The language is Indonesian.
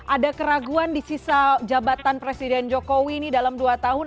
ada keraguan di sisa jabatan presiden jokowi ini dalam dua tahun